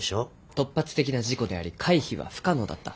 突発的な事故であり回避は不可能だった。